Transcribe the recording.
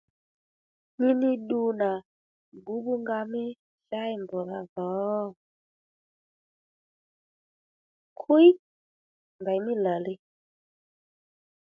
Nyi ní ddu nà bbǔbbúnga mí chǎy mbr̀dha dho kwíy ndèymí làli